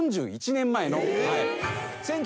４１年前の。